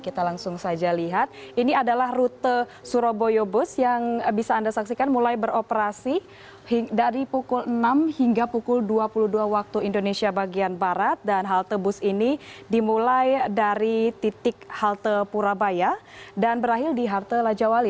kita langsung saja lihat ini adalah rute surabaya bus yang bisa anda saksikan mulai beroperasi dari pukul enam hingga pukul dua puluh dua waktu indonesia bagian barat dan halte bus ini dimulai dari titik halte purabaya dan berakhir di halte lajawali